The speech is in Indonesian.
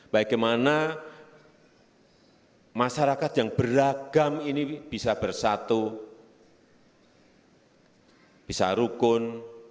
bagaimana masyarakat yang beragam ini bisa bersatu bisa rukun